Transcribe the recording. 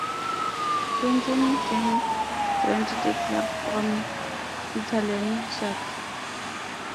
Quentin Cheng joined the club from Sutherland Sharks.